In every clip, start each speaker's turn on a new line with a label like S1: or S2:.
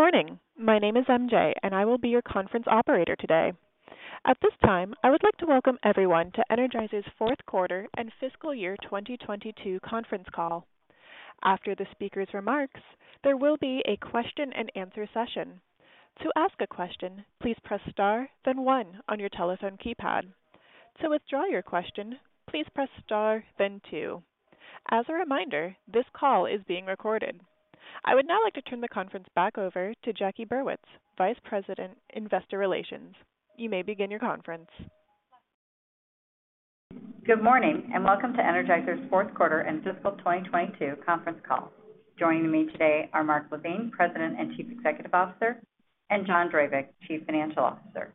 S1: Good morning. My name is MJ, and I will be your conference operator today. At this time, I would like to welcome everyone to Energizer's Fourth Quarter and Fiscal Year 2022 Conference Call. After the speaker's remarks, there will be a question-and-answer session. To ask a question, please press Star, then one on your telephone keypad. To withdraw your question, please press Star, then two. As a reminder, this call is being recorded. I would now like to turn the conference back over to Jacqueline Burwitz, Vice President, Investor Relations. You may begin your conference.
S2: Good morning, and welcome to Energizer's Fourth Quarter and Fiscal 2022 Conference Call. Joining me today are Mark LaVigne, President and Chief Executive Officer, and John Drabik, Chief Financial Officer.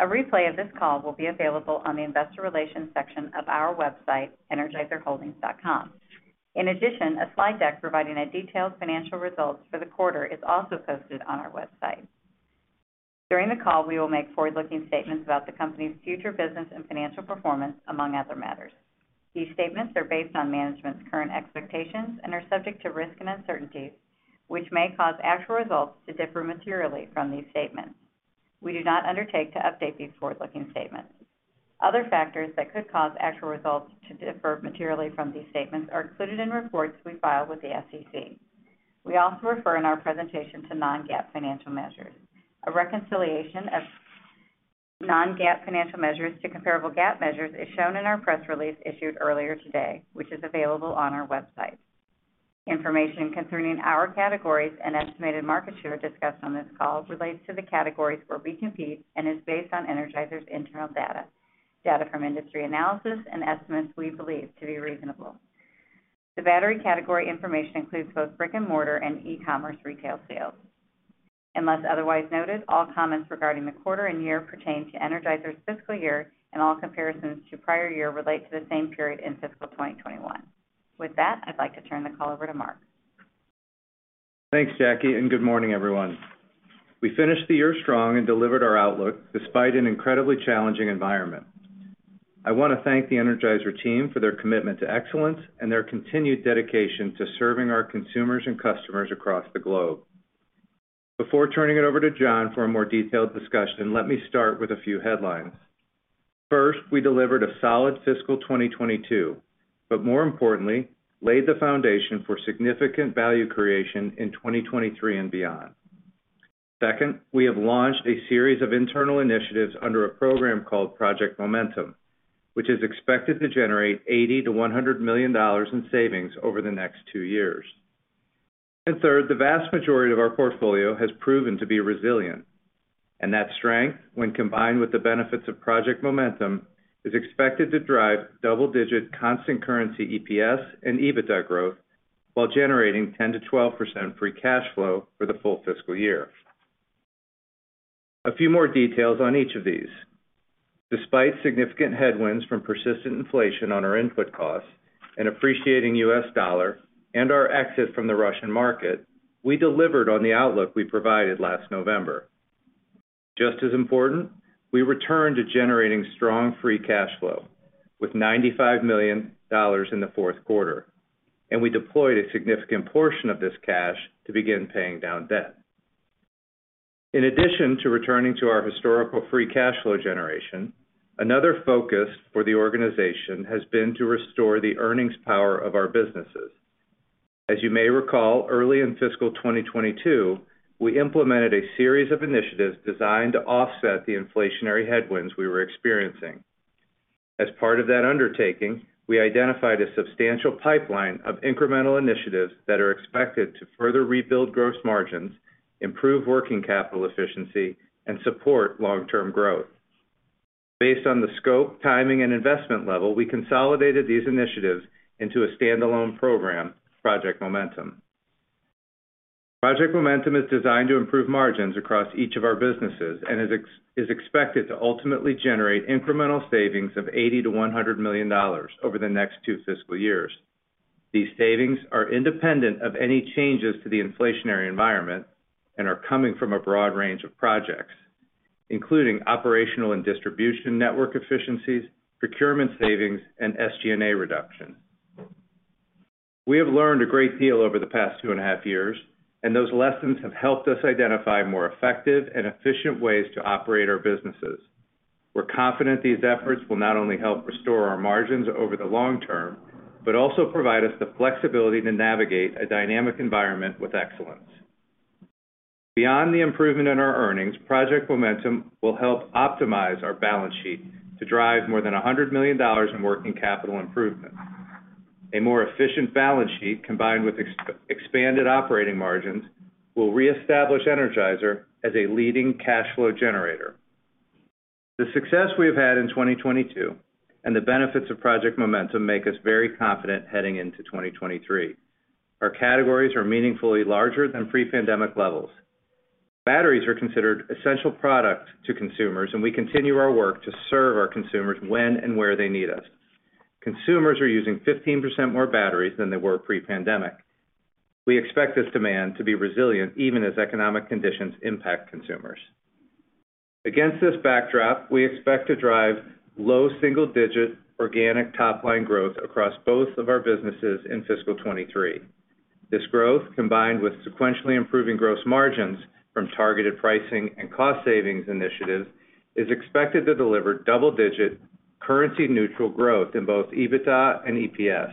S2: A replay of this call will be available on the investor relations section of our website, energizerholdings.com. In addition, a slide deck providing a detailed financial results for the quarter is also posted on our website. During the call, we will make forward-looking statements about the company's future business and financial performance, among other matters. These statements are based on management's current expectations and are subject to risks and uncertainties, which may cause actual results to differ materially from these statements. We do not undertake to update these forward-looking statements. Other factors that could cause actual results to differ materially from these statements are included in reports we file with the SEC. We also refer in our presentation to non-GAAP financial measures. A reconciliation of non-GAAP financial measures to comparable GAAP measures is shown in our press release issued earlier today, which is available on our website. Information concerning our categories and estimated market share discussed on this call relates to the categories where we compete and is based on Energizer's internal data from industry analysis, and estimates we believe to be reasonable. The battery category information includes both brick-and-mortar and e-commerce retail sales. Unless otherwise noted, all comments regarding the quarter and year pertain to Energizer's fiscal year, and all comparisons to prior year relate to the same period in fiscal 2021. With that, I'd like to turn the call over to Mark LaVigne.
S3: Thanks, Jackie, and good morning, everyone. We finished the year strong and delivered our outlook despite an incredibly challenging environment. I want to thank the Energizer team for their commitment to excellence and their continued dedication to serving our consumers and customers across the globe. Before turning it over to John for a more detailed discussion, let me start with a few headlines. First, we delivered a solid fiscal 2022, but more importantly, laid the foundation for significant value creation in 2023 and beyond. Second, we have launched a series of internal initiatives under a program called Project Momentum, which is expected to generate $80 million-$100 million in savings over the next two years. Third, the vast majority of our portfolio has proven to be resilient, and that strength, when combined with the benefits of Project Momentum, is expected to drive double-digit constant currency EPS and EBITDA growth while generating 10%-12% free cash flow for the full fiscal year. A few more details on each of these. Despite significant headwinds from persistent inflation on our input costs, an appreciating U.S. dollar, and our exit from the Russian market, we delivered on the outlook we provided last November. Just as important, we returned to generating strong free cash flow with $95 million in the fourth quarter, and we deployed a significant portion of this cash to begin paying down debt. In addition to returning to our historical free cash flow generation, another focus for the organization has been to restore the earnings power of our businesses. As you may recall, early in fiscal 2022, we implemented a series of initiatives designed to offset the inflationary headwinds we were experiencing. As part of that undertaking, we identified a substantial pipeline of incremental initiatives that are expected to further rebuild gross margins, improve working capital efficiency, and support long-term growth. Based on the scope, timing, and investment level, we consolidated these initiatives into a standalone program, Project Momentum. Project Momentum is designed to improve margins across each of our businesses and is expected to ultimately generate incremental savings of $80 million-$100 million over the next two fiscal years. These savings are independent of any changes to the inflationary environment and are coming from a broad range of projects, including operational and distribution network efficiencies, procurement savings, and SG&A reductions. We have learned a great deal over the past two and a half years, and those lessons have helped us identify more effective and efficient ways to operate our businesses. We're confident these efforts will not only help restore our margins over the long term, but also provide us the flexibility to navigate a dynamic environment with excellence. Beyond the improvement in our earnings, Project Momentum will help optimize our balance sheet to drive more than $100 million in working capital improvements. A more efficient balance sheet, combined with expanded operating margins, will reestablish Energizer as a leading cash flow generator. The success we have had in 2022 and the benefits of Project Momentum make us very confident heading into 2023. Our categories are meaningfully larger than pre-pandemic levels. Batteries are considered essential product to consumers, and we continue our work to serve our consumers when and where they need us. Consumers are using 15% more batteries than they were pre-pandemic. We expect this demand to be resilient even as economic conditions impact consumers. Against this backdrop, we expect to drive low single-digit organic top line growth across both of our businesses in fiscal 2023. This growth, combined with sequentially improving gross margins from targeted pricing and cost savings initiatives, is expected to deliver double-digit currency neutral growth in both EBITDA and EPS.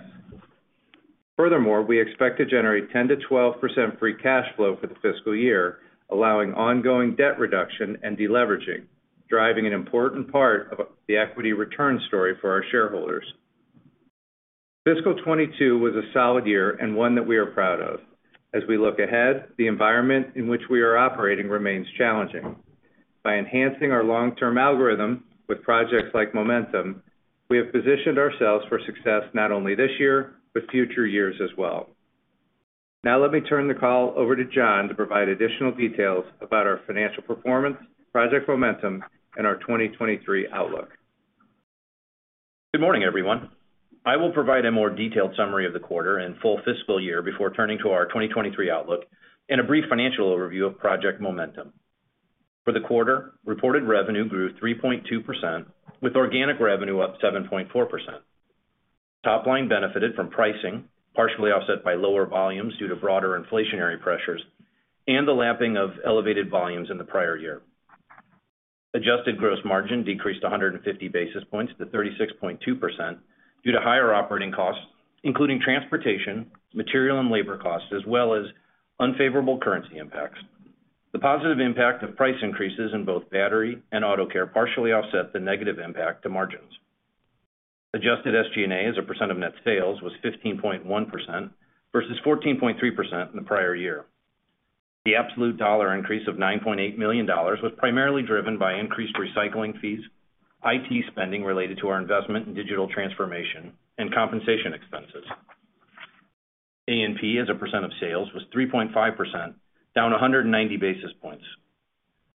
S3: Furthermore, we expect to generate 10%-12% free cash flow for the fiscal year, allowing ongoing debt reduction and deleveraging, driving an important part of the equity return story for our shareholders. Fiscal 2022 was a solid year and one that we are proud of. As we look ahead, the environment in which we are operating remains challenging. By enhancing our long-term algorithm with projects like Momentum, we have positioned ourselves for success not only this year, but future years as well. Now let me turn the call over to John to provide additional details about our financial performance, Project Momentum, and our 2023 outlook.
S4: Good morning, everyone. I will provide a more detailed summary of the quarter and full fiscal year before turning to our 2023 outlook and a brief financial overview of Project Momentum. For the quarter, reported revenue grew 3.2%, with organic revenue up 7.4%. Top line benefited from pricing, partially offset by lower volumes due to broader inflationary pressures and the lapping of elevated volumes in the prior year. Adjusted gross margin decreased 150 basis points to 36.2% due to higher operating costs, including transportation, material and labor costs, as well as unfavorable currency impacts. The positive impact of price increases in both Batteries and Auto Care partially offset the negative impact to margins. Adjusted SG&A as a percent of net sales was 15.1% versus 14.3% in the prior year. The absolute dollar increase of $9.8 million was primarily driven by increased recycling fees, IT spending related to our investment in digital transformation and compensation expenses. A&P as a percent of sales was 3.5%, down 190 basis points.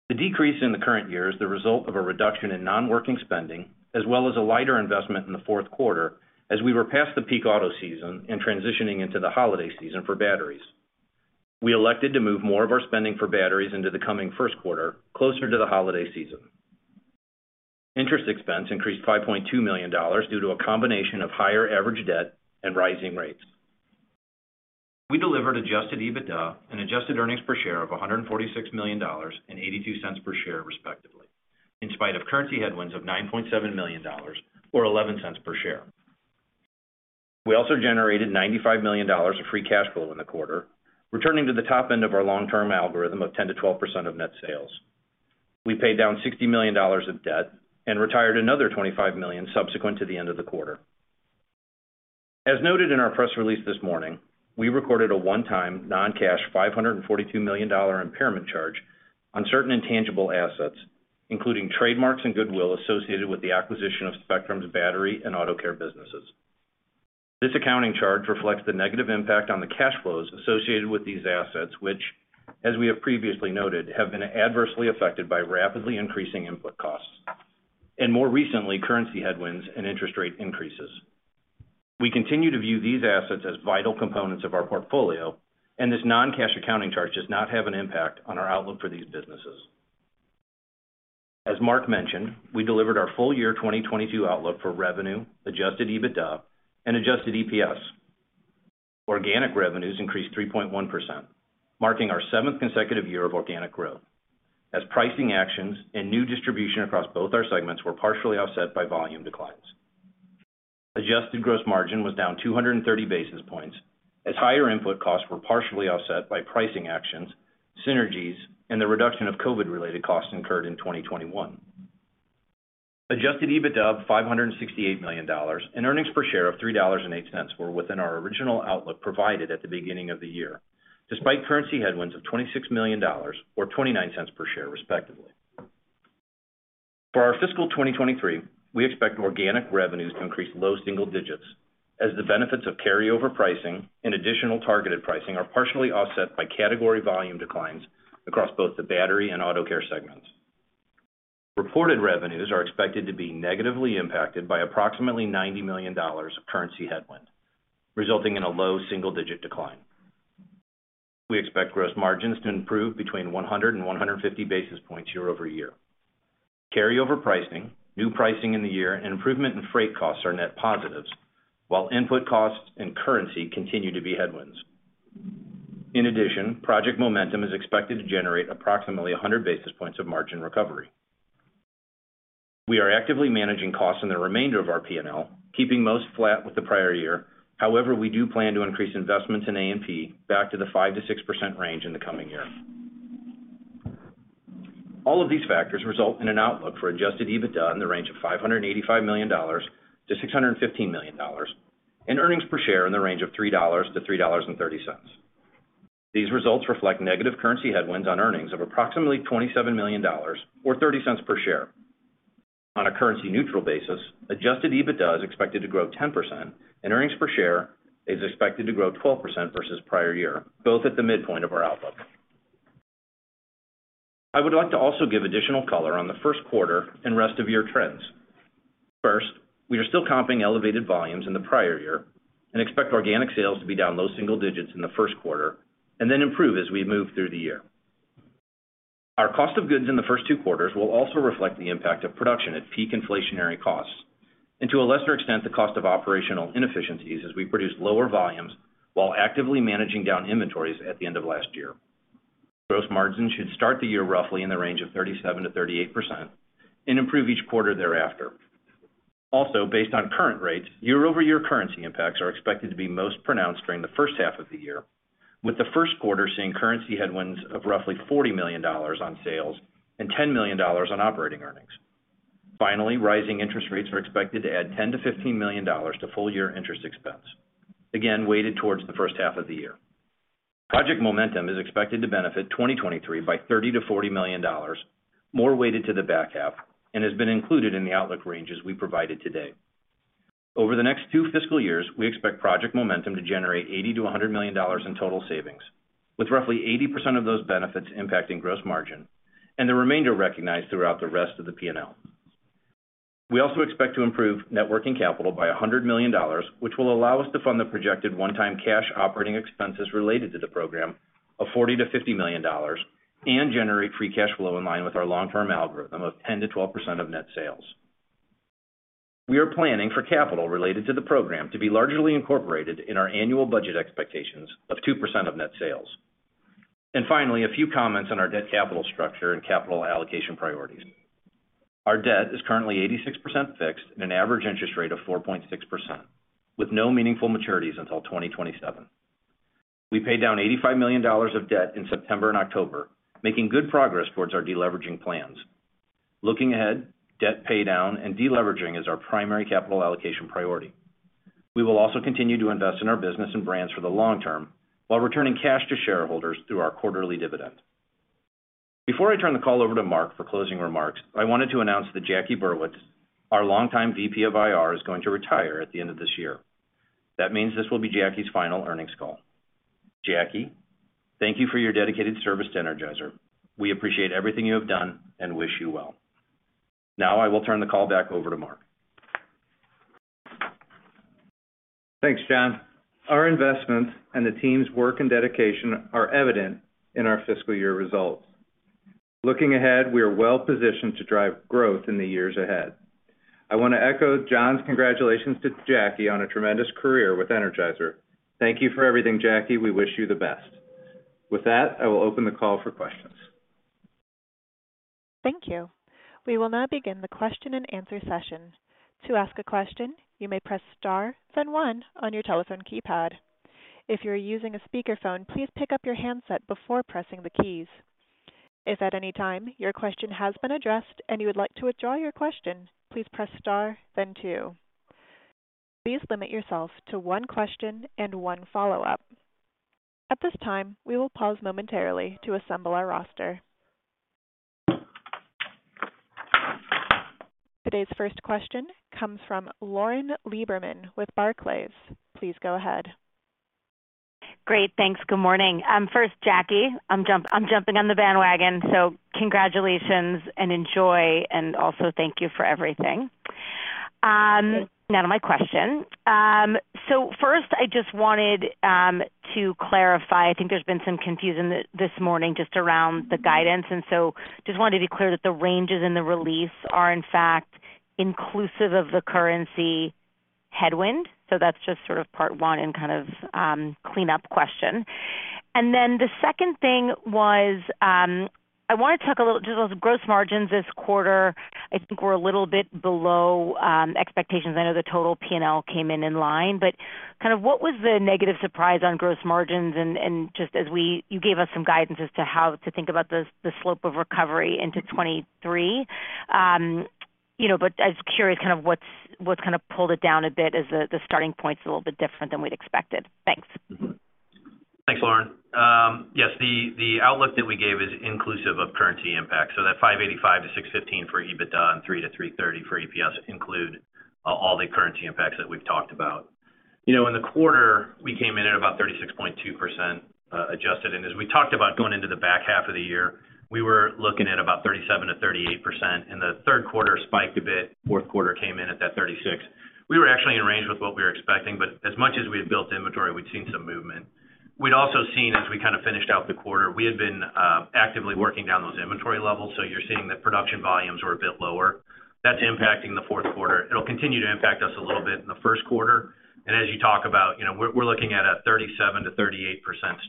S4: The decrease in the current year is the result of a reduction in non-working spending as well as a lighter investment in the fourth quarter as we were past the peak auto season and transitioning into the holiday season for batteries. We elected to move more of our spending for batteries into the coming first quarter, closer to the holiday season. Interest expense increased $5.2 million due to a combination of higher average debt and rising rates. We delivered adjusted EBITDA and adjusted earnings per share of $146 million and $0.82 per share, respectively, in spite of currency headwinds of $9.7 million or $0.11 per share. We also generated $95 million of free cash flow in the quarter, returning to the top end of our long-term algorithm of 10%-12% of net sales. We paid down $60 million of debt and retired another $25 million subsequent to the end of the quarter. As noted in our press release this morning, we recorded a one-time non-cash $542 million impairment charge on certain intangible assets, including trademarks and goodwill associated with the acquisition of Spectrum Brands' Batteries and Auto Care businesses. This accounting charge reflects the negative impact on the cash flows associated with these assets, which, as we have previously noted, have been adversely affected by rapidly increasing input costs, and more recently, currency headwinds and interest rate increases. We continue to view these assets as vital components of our portfolio, and this non-cash accounting charge does not have an impact on our outlook for these businesses. As Mark mentioned, we delivered our full year 2022 outlook for revenue, adjusted EBITDA and adjusted EPS. Organic revenues increased 3.1%, marking our seventh consecutive year of organic growth, as pricing actions and new distribution across both our segments were partially offset by volume declines. Adjusted gross margin was down 230 basis points as higher input costs were partially offset by pricing actions, synergies, and the reduction of COVID-related costs incurred in 2021. Adjusted EBITDA of $568 million and earnings per share of $3.08 were within our original outlook provided at the beginning of the year, despite currency headwinds of $26 million or 29 cents per share, respectively. For our fiscal 2023, we expect organic revenues to increase low single digits as the benefits of carryover pricing and additional targeted pricing are partially offset by category volume declines across both the battery and Auto Care segments. Reported revenues are expected to be negatively impacted by approximately $90 million of currency headwind, resulting in a low single-digit decline. We expect gross margins to improve between 100 and 150 basis points year-over-year. Carryover pricing, new pricing in the year, and improvement in freight costs are net positives, while input costs and currency continue to be headwinds. In addition, Project Momentum is expected to generate approximately 100 basis points of margin recovery. We are actively managing costs in the remainder of our P&L, keeping most flat with the prior year. However, we do plan to increase investments in A&P back to the 5%-6% range in the coming year. All of these factors result in an outlook for adjusted EBITDA in the range of $585 million-$615 million, and earnings per share in the range of $3-$3.30. These results reflect negative currency headwinds on earnings of approximately $27 million or $0.30 per share. On a currency neutral basis, adjusted EBITDA is expected to grow 10% and earnings per share is expected to grow 12% versus prior year, both at the midpoint of our outlook. I would like to also give additional color on the first quarter and rest-of-year trends. First, we are still comping elevated volumes in the prior year and expect organic sales to be down low single digits in the first quarter and then improve as we move through the year. Our cost of goods in the first two quarters will also reflect the impact of production at peak inflationary costs and to a lesser extent, the cost of operational inefficiencies as we produce lower volumes while actively managing down inventories at the end of last year. Gross margin should start the year roughly in the range of 37%-38% and improve each quarter thereafter. Based on current rates, year-over-year currency impacts are expected to be most pronounced during the first half of the year, with the first quarter seeing currency headwinds of roughly $40 million on sales and $10 million on operating earnings. Rising interest rates are expected to add $10 million-$15 million to full year interest expense, again weighted towards the first half of the year. Project Momentum is expected to benefit 2023 by $30 million-$40 million, more weighted to the back half and has been included in the outlook ranges we provided today. Over the next two fiscal years, we expect Project Momentum to generate $80 million-$100 million in total savings, with roughly 80% of those benefits impacting gross margin and the remainder recognized throughout the rest of the P&L. We also expect to improve net working capital by $100 million, which will allow us to fund the projected one-time cash operating expenses related to the program of $40 million-$50 million and generate free cash flow in line with our long-term algorithm of 10%-12% of net sales. We are planning for capital related to the program to be largely incorporated in our annual budget expectations of 2% of net sales. Finally, a few comments on our debt capital structure and capital allocation priorities. Our debt is currently 86% fixed and an average interest rate of 4.6% with no meaningful maturities until 2027. We paid down $85 million of debt in September and October, making good progress towards our deleveraging plans. Looking ahead, debt paydown and deleveraging is our primary capital allocation priority. We will also continue to invest in our business and brands for the long term while returning cash to shareholders through our quarterly dividend. Before I turn the call over to Mark for closing remarks, I wanted to announce that Jackie Burwitz, our longtime VP of IR, is going to retire at the end of this year. That means this will be Jackie's final earnings call. Jackie, thank you for your dedicated service to Energizer. We appreciate everything you have done and wish you well. Now I will turn the call back over to Mark.
S3: Thanks, John. Our investment and the team's work and dedication are evident in our fiscal year results. Looking ahead, we are well positioned to drive growth in the years ahead. I want to echo John's congratulations to Jackie on a tremendous career with Energizer. Thank you for everything, Jackie. We wish you the best. With that, I will open the call for questions.
S1: Thank you. We will now begin the question and answer session. To ask a question, you may press star then one on your telephone keypad. If you're using a speakerphone, please pick up your handset before pressing the keys. If at any time your question has been addressed and you would like to withdraw your question, please press star then two. Please limit yourself to one question and one follow-up. At this time, we will pause momentarily to assemble our roster. Today's first question comes from Lauren Lieberman with Barclays. Please go ahead.
S5: Great, thanks. Good morning. First, Jackie, I'm jumping on the bandwagon, so congratulations and enjoy and also thank you for everything. Now to my question. First I just wanted to clarify, I think there's been some confusion this morning just around the guidance, and so just wanted to be clear that the ranges in the release are in fact inclusive of the currency headwind. That's just sort of part one and kind of clean up question. Then the second thing was, I wanna talk a little, just those gross margins this quarter, I think were a little bit below expectations. I know the total P&L came in in line, but kind of what was the negative surprise on gross margins? Just as we—you gave us some guidance as to how to think about the slope of recovery into 2023. You know, but I was curious kind of what's kind of pulled it down a bit as the starting point's a little bit different than we'd expected. Thanks.
S4: Thanks, Lauren. Yes, the outlook that we gave is inclusive of currency impact. That $585 million-$615 million for EBITDA and $3-$3.30 for EPS include all the currency impacts that we've talked about. You know, in the quarter, we came in at about 36.2%, adjusted, and as we talked about going into the back half of the year, we were looking at about 37%-38%, and the third quarter spiked a bit, fourth quarter came in at that 36. We were actually in range with what we were expecting, but as much as we had built inventory, we'd seen some movement. We'd also seen as we kind of finished out the quarter, we had been actively working down those inventory levels, so you're seeing that production volumes were a bit lower. That's impacting the fourth quarter. It'll continue to impact us a little bit in the first quarter. As you talk about, you know, we're looking at a 37%-38%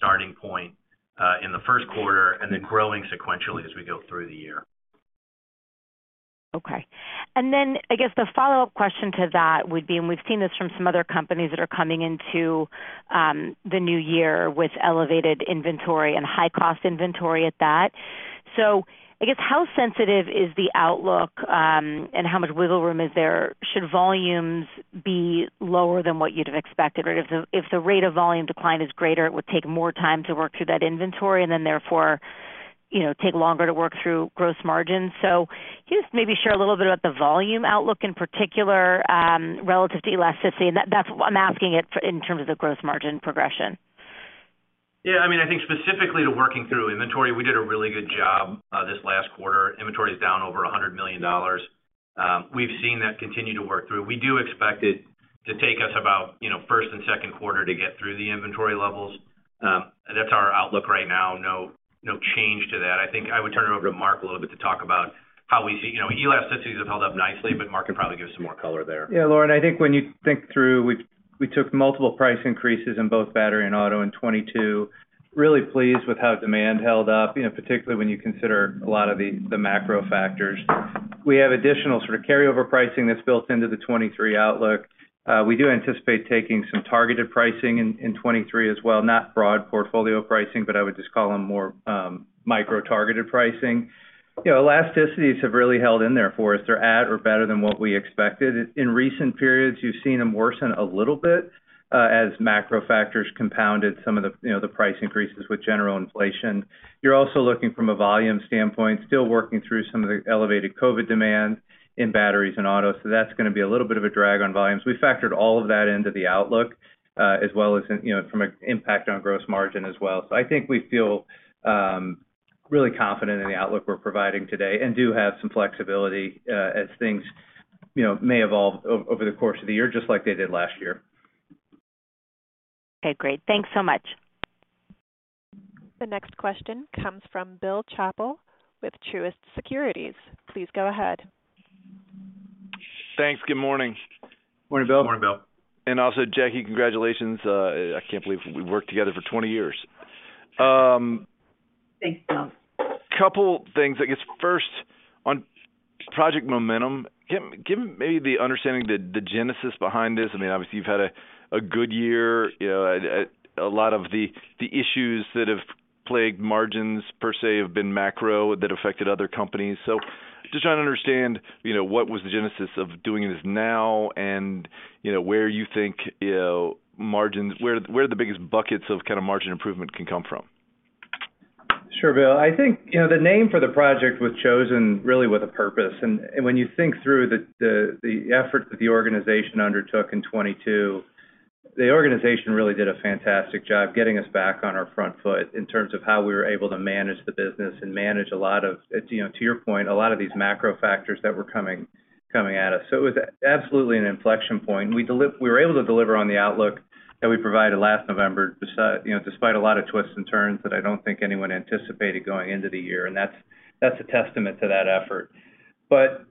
S4: starting point in the first quarter and then growing sequentially as we go through the year.
S5: Okay. I guess the follow-up question to that would be. We've seen this from some other companies that are coming into the new year with elevated inventory and high cost inventory at that. I guess how sensitive is the outlook, and how much wiggle room is there? Should volumes be lower than what you'd have expected? Or if the rate of volume decline is greater, it would take more time to work through that inventory and then therefore, you know, take longer to work through gross margin. Can you just maybe share a little bit about the volume outlook in particular, relative to elasticity? That, that's what I'm asking it for in terms of the gross margin progression.
S4: Yeah, I mean, I think specifically to working through inventory, we did a really good job this last quarter. Inventory is down over $100 million. We've seen that continue to work through. We do expect it to take us about, you know, first and second quarter to get through the inventory levels. That's our outlook right now. No, no change to that. I think I would turn it over to Mark a little bit to talk about how we see. You know, elasticities have held up nicely, but Mark can probably give some more color there.
S3: Yeah, Lauren, I think when you think through, we took multiple price increases in both battery and auto in 2022. Really pleased with how demand held up, you know, particularly when you consider a lot of the macro factors. We have additional sort of carryover pricing that's built into the 2023 outlook. We do anticipate taking some targeted pricing in 2023 as well. Not broad portfolio pricing, but I would just call them more micro-targeted pricing. You know, elasticities have really held in there for us. They're at or better than what we expected. In recent periods, you've seen them worsen a little bit, as macro factors compounded some of the, you know, the price increases with general inflation. You're also looking from a volume standpoint, still working through some of the elevated COVID demand in batteries and auto. That's gonna be a little bit of a drag on volumes. We factored all of that into the outlook, as well as in, you know, from an impact on gross margin as well. I think we feel really confident in the outlook we're providing today and do have some flexibility, as things, you know, may evolve over the course of the year just like they did last year.
S5: Okay, great. Thanks so much.
S1: The next question comes from Bill Chappell with Truist Securities. Please go ahead.
S6: Thanks. Good morning.
S3: Morning, Bill.
S4: Morning, Bill.
S6: Jackie, congratulations. I can't believe we worked together for 20 years.
S2: Thanks, Bill.
S6: Couple things. I guess first, on Project Momentum, give maybe the understanding, the genesis behind this. I mean, obviously, you've had a good year. You know, a lot of the issues that have plagued margins per se have been macro that affected other companies. Just trying to understand, you know, what was the genesis of doing this now, and, you know, where you think, you know, margins. Where the biggest buckets of kind of margin improvement can come from.
S3: Sure, Bill. I think, you know, the name for the project was chosen really with a purpose. When you think through the effort that the organization undertook in 2022, the organization really did a fantastic job getting us back on our front foot in terms of how we were able to manage the business and manage a lot of, you know, to your point, a lot of these macro factors that were coming at us. It was absolutely an inflection point, and we were able to deliver on the outlook that we provided last November, you know, despite a lot of twists and turns that I don't think anyone anticipated going into the year, and that's a testament to that effort.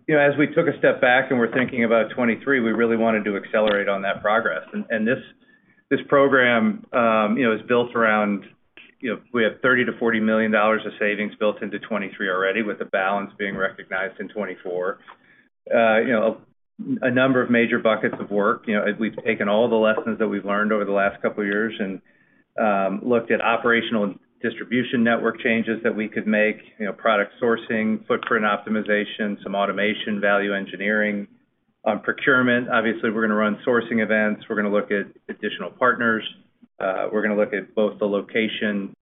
S3: You know, as we took a step back and we're thinking about 2023, we really wanted to accelerate on that progress. This program, you know, is built around, you know, we have $30 million-$40 million of savings built into 2023 already, with the balance being recognized in 2024. You know, a number of major buckets of work. You know, we've taken all the lessons that we've learned over the last couple years and looked at operational distribution network changes that we could make, you know, product sourcing, footprint optimization, some automation, value engineering. On procurement, obviously, we're gonna run sourcing events. We're gonna look at additional partners. We're gonna look at the location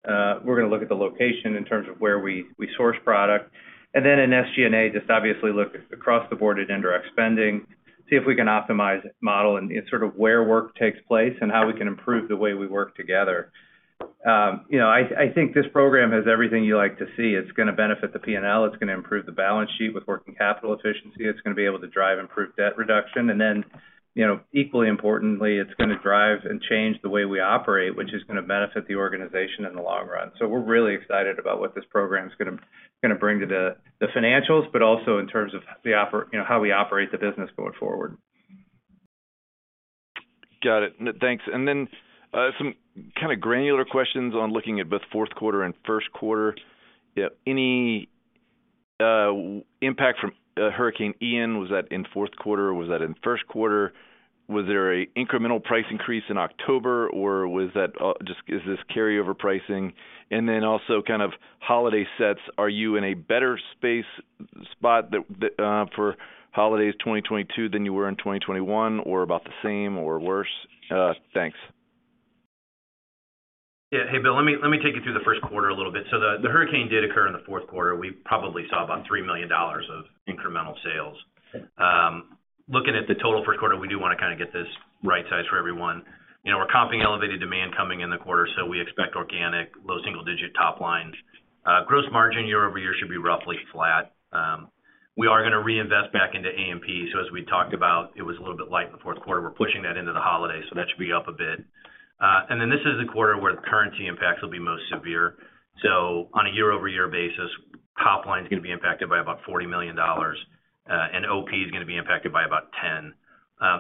S3: in terms of where we source product. In SG&A, just obviously look across the board at indirect spending, see if we can optimize model and sort of where work takes place and how we can improve the way we work together. You know, I think this program has everything you like to see. It's gonna benefit the P&L. It's gonna improve the balance sheet with working capital efficiency. It's gonna be able to drive improved debt reduction. You know, equally importantly, it's gonna drive and change the way we operate, which is gonna benefit the organization in the long run. We're really excited about what this program's gonna bring to the financials, but also in terms of you know, how we operate the business going forward.
S6: Got it. Thanks. Some kind of granular questions on looking at both fourth quarter and first quarter. Any impact from Hurricane Ian, was that in fourth quarter? Was that in first quarter? Was there an incremental price increase in October, or was that just carryover pricing? Kind of holiday sets, are you in a better shape for holidays 2022 than you were in 2021 or about the same or worse? Thanks.
S4: Yeah. Hey, Bill, let me take you through the first quarter a little bit. The hurricane did occur in the fourth quarter. We probably saw about $3 million of incremental sales. Looking at the total first quarter, we do wanna kinda get this right size for everyone. You know, we're comping elevated demand coming in the quarter, so we expect organic low single-digit top line. Gross margin year-over-year should be roughly flat. We are gonna reinvest back into A&P. As we talked about, it was a little bit light in the fourth quarter. We're pushing that into the holiday, so that should be up a bit. This is a quarter where the currency impacts will be most severe. On a year-over-year basis, top line is gonna be impacted by about $40 million, and OP is gonna be impacted by about $10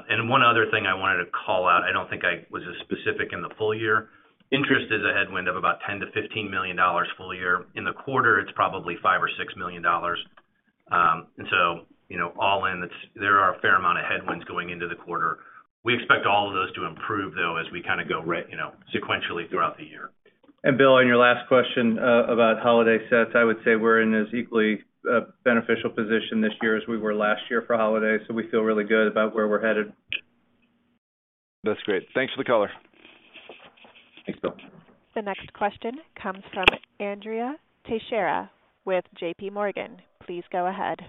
S4: million. One other thing I wanted to call out, I don't think I was as specific in the full year. Interest is a headwind of about $10 million-$15 million full year. In the quarter, it's probably $5 million-$6 million. You know, all in, there are a fair amount of headwinds going into the quarter. We expect all of those to improve, though, as we kinda go, you know, sequentially throughout the year.
S3: Bill, on your last question, about holiday sets, I would say we're in as equally a beneficial position this year as we were last year for holidays, so we feel really good about where we're headed.
S6: That's great. Thanks for the color.
S4: Thanks, Bill.
S1: The next question comes from Andrea Teixeira with JPMorgan. Please go ahead.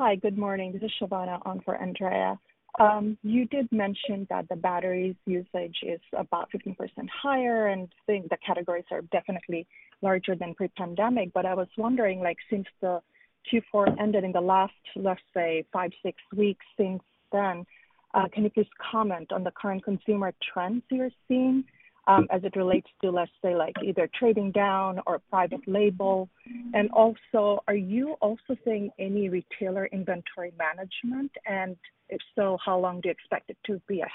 S7: Hi, good morning. This is Shivani on for Andrea Teixeira. You did mention that the batteries usage is about 15% higher, and seeing the categories are definitely larger than pre-pandemic. I was wondering, like, since the Q4 ended in the last, let's say, 5, 6 weeks since then, can you please comment on the current consumer trends you're seeing, as it relates to, let's say, like, either trading down or private label? And also, are you also seeing any retailer inventory management? And if so, how long do you expect it to be a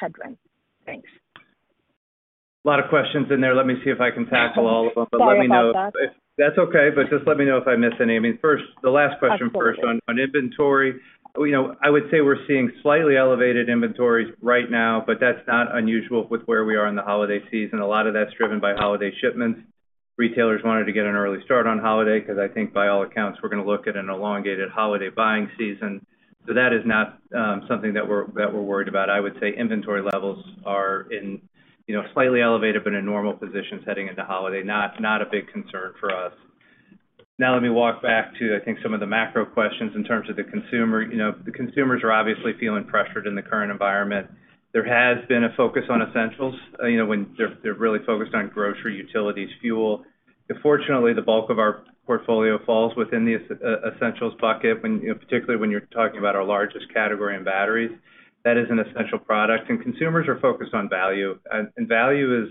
S7: headwind? Thanks.
S3: A lot of questions in there. Let me see if I can tackle all of them.
S7: Sorry about that.
S3: That's okay, but just let me know if I miss any. I mean, first, the last question first.
S7: Of course.
S3: On inventory, you know, I would say we're seeing slightly elevated inventories right now, but that's not unusual with where we are in the holiday season. A lot of that's driven by holiday shipments. Retailers wanted to get an early start on holiday, 'cause I think by all accounts, we're gonna look at an elongated holiday buying season. That is not something that we're worried about. I would say inventory levels are, you know, slightly elevated, but in normal positions heading into holiday. Not a big concern for us. Now, let me walk back to, I think, some of the macro questions in terms of the consumer. You know, the consumers are obviously feeling pressured in the current environment. There has been a focus on essentials, you know, when they're really focused on grocery, utilities, fuel. Fortunately, the bulk of our portfolio falls within the essentials bucket when, you know, particularly when you're talking about our largest category in batteries. That is an essential product. Consumers are focused on value. Value is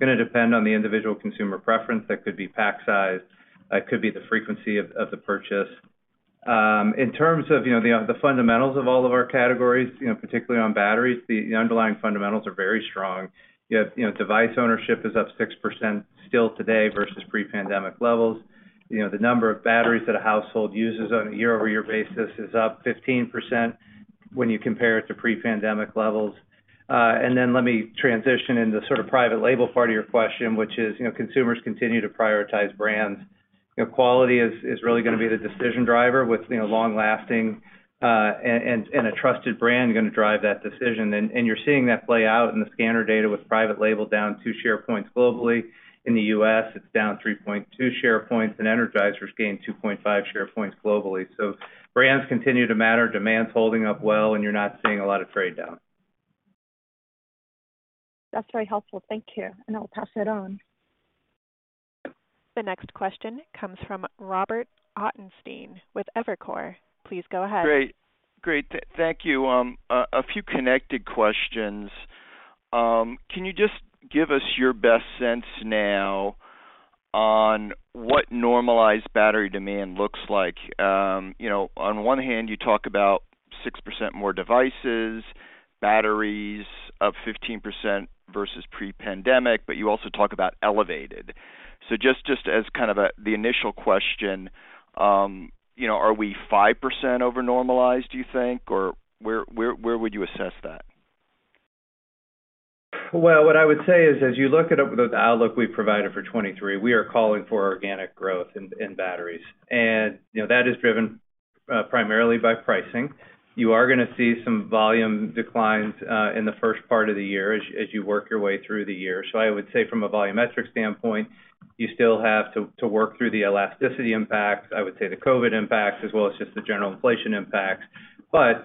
S3: gonna depend on the individual consumer preference. That could be pack size. That could be the frequency of the purchase. In terms of, you know, the fundamentals of all of our categories, you know, particularly on batteries, the underlying fundamentals are very strong. You have, you know, device ownership is up 6% still today versus pre-pandemic levels. You know, the number of batteries that a household uses on a year-over-year basis is up 15% when you compare it to pre-pandemic levels. Let me transition into sort of private label part of your question, which is, you know, consumers continue to prioritize brands. You know, quality is really gonna be the decision driver with, you know, long-lasting and a trusted brand gonna drive that decision. You're seeing that play out in the scanner data with private label down 2 share points globally. In the US, it's down 3.2 share points, and Energizer's gained 2.5 share points globally. Brands continue to matter, demand's holding up well, and you're not seeing a lot of trade-down.
S7: That's very helpful. Thank you, and I'll pass it on.
S1: The next question comes from Robert Ottenstein with Evercore. Please go ahead.
S8: Great. Thank you. A few connected questions. Can you just give us your best sense now on what normalized battery demand looks like? You know, on one hand, you talk about 6% more devices, batteries up 15% versus pre-pandemic, but you also talk about elevated. So just as kind of the initial question, you know, are we 5% over-normalized, do you think, or where would you assess that?
S3: Well, what I would say is, as you look at the outlook we've provided for 2023, we are calling for organic growth in Batteries. You know, that is driven primarily by pricing. You are gonna see some volume declines in the first part of the year as you work your way through the year. I would say from a volumetric standpoint, you still have to work through the elasticity impacts. I would say the COVID impacts, as well as just the general inflation impacts.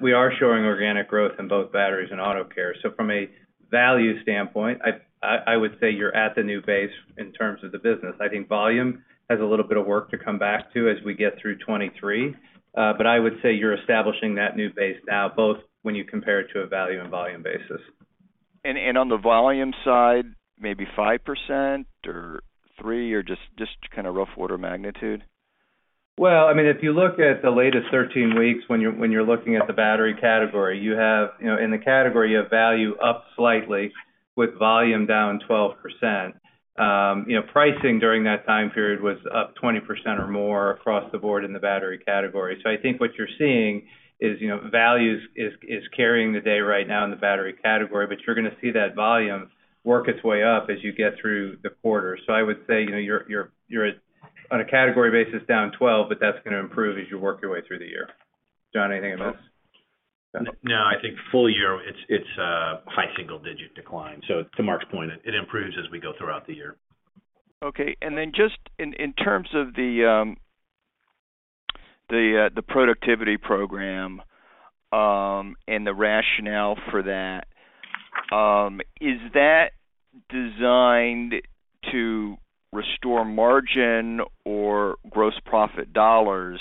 S3: We are showing organic growth in both Batteries and Auto Care. From a value standpoint, I would say you're at the new base in terms of the business. I think volume has a little bit of work to come back to as we get through 2023. I would say you're establishing that new base now, both when you compare it to a value and volume basis.
S8: on the volume side, maybe 5% or 3%, or just kinda rough order of magnitude?
S3: Well, I mean, if you look at the latest 13 weeks when you're looking at the battery category, you know, in the category, value up slightly, with volume down 12%. You know, pricing during that time period was up 20% or more across the board in the battery category. I think what you're seeing is, you know, value is carrying the day right now in the battery category, but you're gonna see that volume work its way up as you get through the quarter. I would say, you know, you're at, on a category basis, down 12%, but that's gonna improve as you work your way through the year. John, anything to this?
S4: Sure.
S3: John?
S4: No, I think full year, it's high single digit decline. To Mark's point, it improves as we go throughout the year.
S8: Okay. Just in terms of the productivity program, and the rationale for that, is that designed to restore margin or gross profit dollars?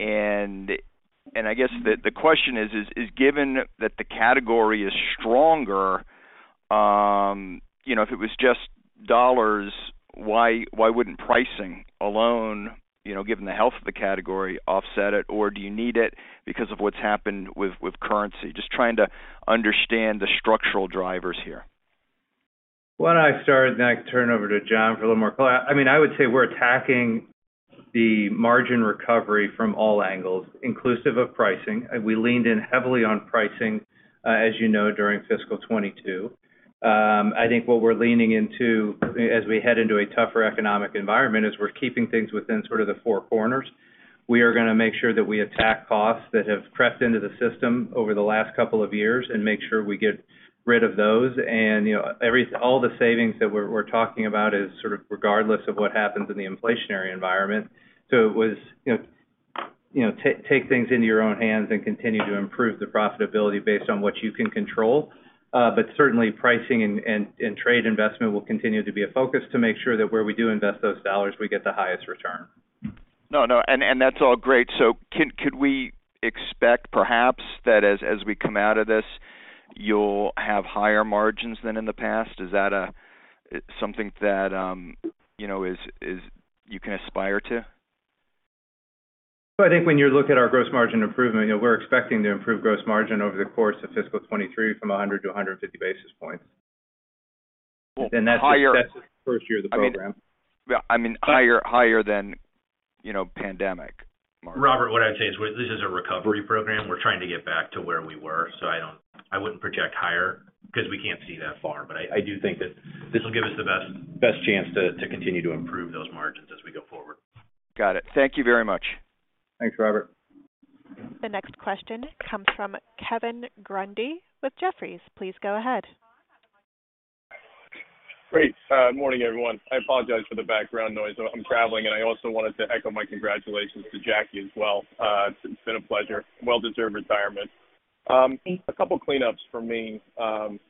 S8: I guess the question is given that the category is stronger, you know, if it was just dollars, why wouldn't pricing alone, you know, given the health of the category, offset it, or do you need it because of what's happened with currency? Just trying to understand the structural drivers here.
S3: Why don't I start, and then I can turn over to John for a little more color. I mean, I would say we're attacking the margin recovery from all angles, inclusive of pricing. We leaned in heavily on pricing, as you know, during fiscal 2022. I think what we're leaning into as we head into a tougher economic environment is we're keeping things within sort of the four corners. We are gonna make sure that we attack costs that have crept into the system over the last couple of years and make sure we get rid of those. You know, all the savings that we're talking about is sort of regardless of what happens in the inflationary environment. It was, you know. You know, take things into your own hands and continue to improve the profitability based on what you can control. Certainly pricing and trade investment will continue to be a focus to make sure that where we do invest those dollars, we get the highest return.
S8: No, that's all great. Could we expect perhaps that as we come out of this, you'll have higher margins than in the past? Is that something that you know you can aspire to?
S3: I think when you look at our gross margin improvement, you know, we're expecting to improve gross margin over the course of fiscal 2023 from 100 to 150 basis points.
S8: Higher-
S3: First year of the program.
S8: I mean, yeah, I mean higher than, you know, pandemic margin.
S4: Robert, what I'd say is this is a recovery program. We're trying to get back to where we were. I wouldn't project higher 'cause we can't see that far. I do think that this will give us the best chance to continue to improve those margins as we go forward.
S8: Got it. Thank you very much.
S4: Thanks, Robert.
S1: The next question comes from Kevin Grundy with Jefferies. Please go ahead.
S9: Great. Morning, everyone. I apologize for the background noise. I'm traveling, and I also wanted to echo my congratulations to Jackie as well. It's been a pleasure. Well-deserved retirement. A couple cleanups for me,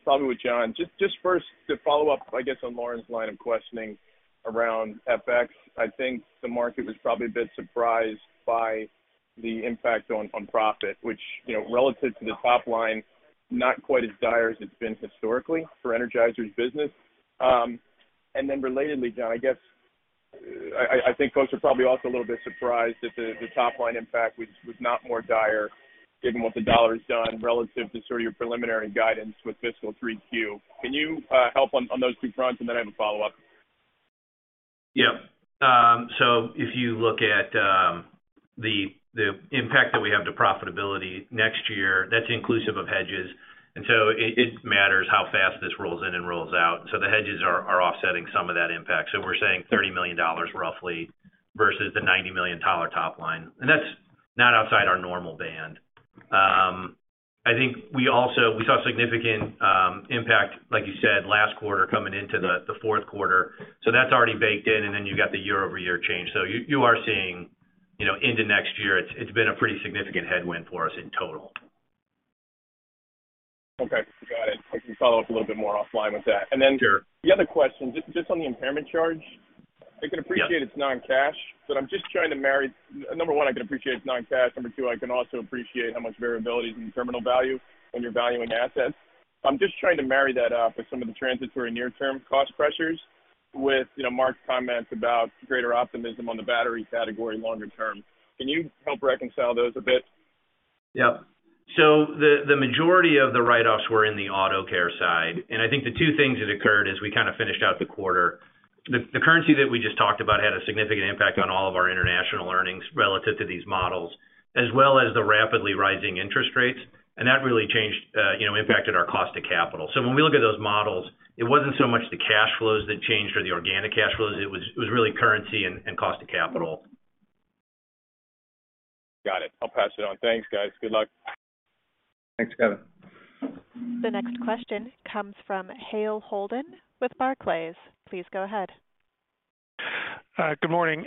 S9: probably with John. Just first to follow up, I guess, on Lauren's line of questioning around FX. I think the market was probably a bit surprised by the impact on profit, which, you know, relative to the top line, not quite as dire as it's been historically for Energizer's business. Then relatedly, John, I guess, I think folks are probably also a little bit surprised that the top line impact was not more dire given what the dollar's done relative to sort of your preliminary guidance with fiscal 3Q. Can you help on those two fronts? I have a follow-up.
S4: Yeah. If you look at the impact that we have to profitability next year, that's inclusive of hedges. It matters how fast this rolls in and rolls out. The hedges are offsetting some of that impact. We're saying $30 million roughly versus the $90 million top line. That's not outside our normal band. I think we saw significant impact, like you said, last quarter coming into the fourth quarter. That's already baked in, and then you got the year-over-year change. You are seeing, you know, into next year, it's been a pretty significant headwind for us in total.
S9: Okay. Got it. I can follow up a little bit more offline with that.
S4: Sure.
S9: The other question, just on the impairment charge.
S4: Yeah.
S9: Number one, I can appreciate it's non-cash. Number two, I can also appreciate how much variability is in terminal value when you're valuing assets. I'm just trying to marry that up with some of the transitory near-term cost pressures with, you know, Mark's comments about greater optimism on the battery category longer term. Can you help reconcile those a bit?
S4: Yeah. The majority of the write-offs were in the Auto Care side. I think the two things that occurred as we kind of finished out the quarter, the currency that we just talked about had a significant impact on all of our international earnings relative to these models, as well as the rapidly rising interest rates. That really changed, you know, impacted our cost of capital. When we look at those models, it wasn't so much the cash flows that changed or the organic cash flows, it was really currency and cost of capital.
S9: Got it. I'll pass it on. Thanks, guys. Good luck.
S4: Thanks, Kevin.
S1: The next question comes from Hale Holden with Barclays. Please go ahead.
S10: Good morning.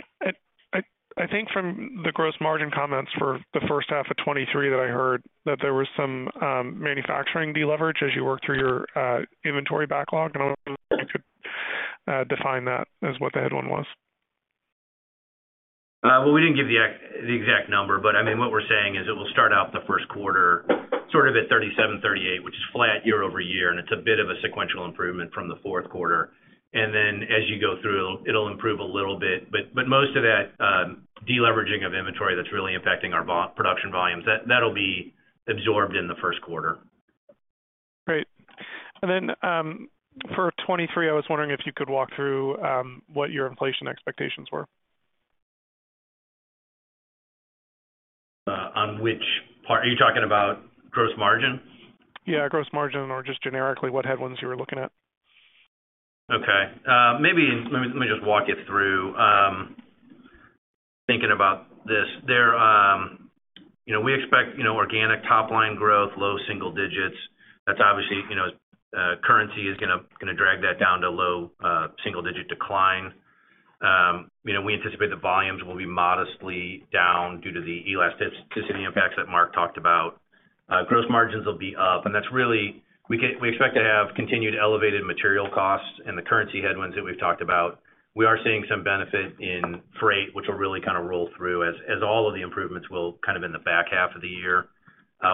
S10: I think from the gross margin comments for the first half of 2023 that I heard that there was some manufacturing deleverage as you work through your inventory backlog. I wonder if you could define that, what the headwind was.
S4: Well, we didn't give the the exact number, but I mean, what we're saying is it will start out the first quarter sort of at 37%-38%, which is flat year-over-year, and it's a bit of a sequential improvement from the fourth quarter. Then as you go through, it'll improve a little bit. Most of that deleveraging of inventory that's really impacting our production volumes, that'll be absorbed in the first quarter.
S10: Great. For 2023, I was wondering if you could walk through what your inflation expectations were?
S4: On which part? Are you talking about gross margin?
S10: Yeah, gross margin or just generically what headwinds you were looking at?
S4: Okay. Let me just walk you through thinking about this. You know, we expect, you know, organic top line growth, low single digits%. That's obviously, you know, currency is gonna drag that down to low single digit decline%. You know, we anticipate the volumes will be modestly down due to the elasticity impacts that Mark talked about. Gross margins will be up, and that's really we expect to have continued elevated material costs and the currency headwinds that we've talked about. We are seeing some benefit in freight, which will really kind of roll through as all of the improvements will kind of in the back half of the year.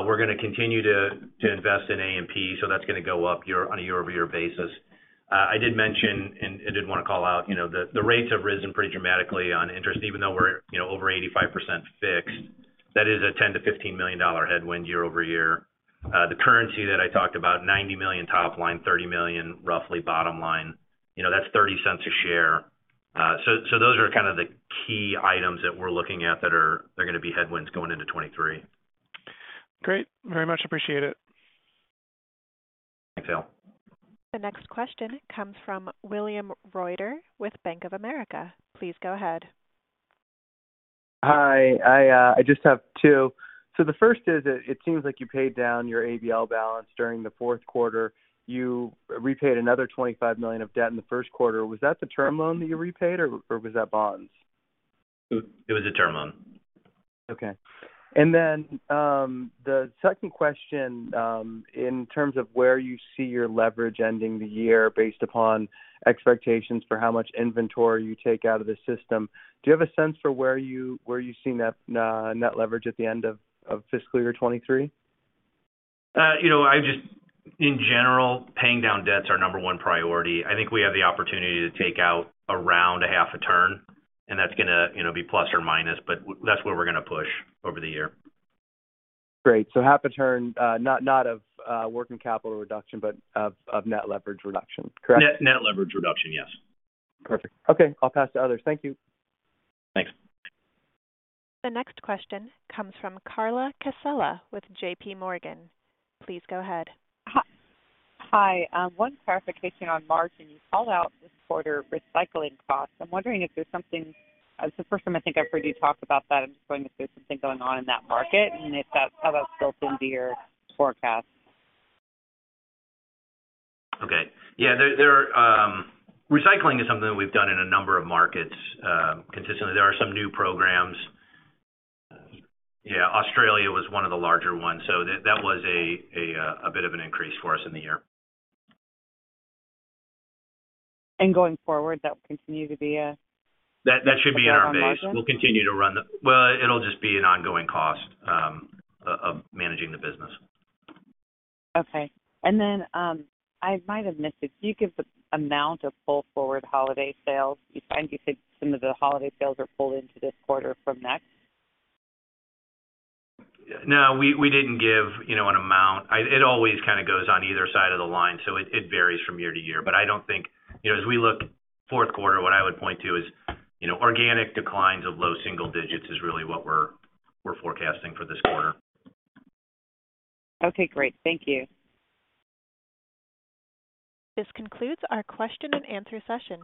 S4: We're gonna continue to invest in A&P, so that's gonna go up on a year-over-year basis. I did mention and did wanna call out, you know, the rates have risen pretty dramatically on interest, even though we're, you know, over 85% fixed. That is a $10 million-$15 million headwind year-over-year. The currency that I talked about, $90 million top line, $30 million roughly bottom line, you know, that's $0.30 a share. Those are kind of the key items that we're looking at that are, they're gonna be headwinds going into 2023.
S10: Great. Very much appreciate it.
S4: Thanks, Hale.
S1: The next question comes from William Reuter with Bank of America. Please go ahead.
S11: Hi. I just have two. The first is that it seems like you paid down your ABL balance during the fourth quarter. You repaid another $25 million of debt in the first quarter. Was that the term loan that you repaid, or was that bonds?
S4: It was a term loan.
S11: The second question, in terms of where you see your leverage ending the year based upon expectations for how much inventory you take out of the system, do you have a sense for where you see net leverage at the end of fiscal year 2023?
S4: You know, in general, paying down debts are number one priority. I think we have the opportunity to take out around a half a turn, and that's gonna, you know, be plus or minus, but that's where we're gonna push over the year.
S11: Great. Half a turn, not of working capital reduction, but of net leverage reduction. Correct?
S4: Net, net leverage reduction, yes.
S11: Perfect. Okay, I'll pass to others. Thank you.
S4: Thanks.
S1: The next question comes from Carla Casella with JPMorgan. Please go ahead.
S12: Hi. One clarification on margin. You called out this quarter recycling costs. I'm wondering if there's something. It's the first time I think I've heard you talk about that. I'm just wondering if there's something going on in that market and if that's how that's built into your forecast.
S4: Okay. Yeah. Recycling is something that we've done in a number of markets consistently. There are some new programs. Yeah. Australia was one of the larger ones. That was a bit of an increase for us in the year.
S12: Going forward, that will continue to be a margin?
S4: That should be in our base. Well, it'll just be an ongoing cost of managing the business.
S12: I might have missed it. Do you give the amount of pull-forward holiday sales you find? You said some of the holiday sales are pulled into this quarter from next?
S4: No. We didn't give, you know, an amount. It always kinda goes on either side of the line, so it varies from year-to-year. I don't think. You know, as we look fourth quarter, what I would point to is, you know, organic declines of low single digits is really what we're forecasting for this quarter.
S12: Okay, great. Thank you.
S1: This concludes our question and answer session.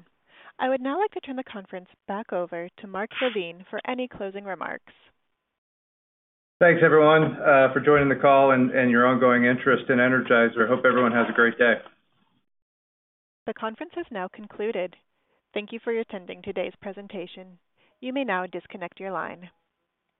S1: I would now like to turn the conference back over to Mark LaVigne for any closing remarks.
S3: Thanks, everyone, for joining the call and your ongoing interest in Energizer. Hope everyone has a great day.
S1: The conference has now concluded. Thank you for attending today's presentation. You may now disconnect your line.